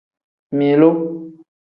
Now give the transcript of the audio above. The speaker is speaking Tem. Milu.